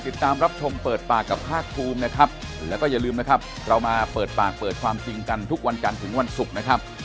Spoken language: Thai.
รับชมเปิดปากกับภาคภูมินะครับแล้วก็อย่าลืมนะครับเรามาเปิดปากเปิดความจริงกันทุกวันจันทร์ถึงวันศุกร์นะครับ